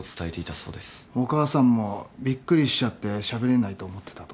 お母さんもびっくりしちゃってしゃべれないと思ってたと。